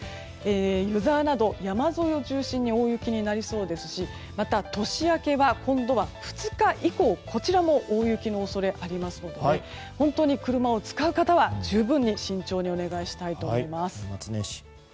湯沢など、山沿いを中心に大雪になりそうですしまた年明けは今度は２日以降大雪の恐れありますので本当に車を使う方は十分に慎重にお願いしたいと思います。